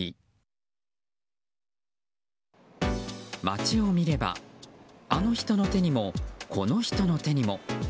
街を見れば、あの人の手にもこの人の手にも。